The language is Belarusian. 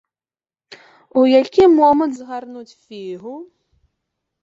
У які момант згарнуць фігу?